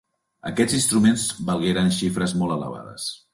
Aquests instruments valgueren xifres molt elevades.